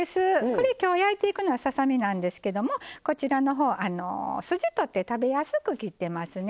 これ今日焼いていくのはささ身なんですけどもこちらの方筋取って食べやすく切ってますね。